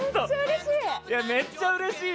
めっちゃうれしい。